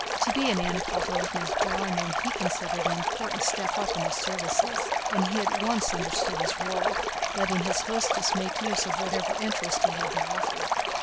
To be in Anna Pávlovna's drawing room he considered an important step up in the service, and he at once understood his role, letting his hostess make use of whatever interest he had to offer.